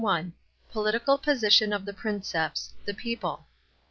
— POLITICAL POSITION OP THE PRINCEPS. THE PEOPLE.